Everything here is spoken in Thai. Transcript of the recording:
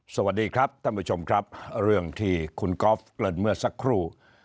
สวัสดีครับท่านผู้ชมครับเรื่องที่คุณกอล์ฟเกริ่นเมื่อสักครู่